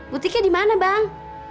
butiknya di mana bang